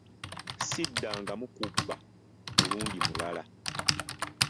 Siddangamu kubba mulundi mulala.